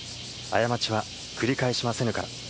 過ちは繰り返しませぬから。